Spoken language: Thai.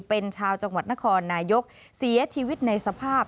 เป็นชาวจังหวัดนครนายกเสียชีวิตในสภาพ